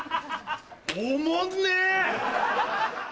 おもんねえ！